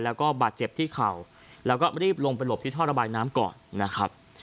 แล้วก็บาดเจ็บที่เข่าแล้วก็รีบลงไปหลบที่ท่อระบายน้ำก่อนนะครับ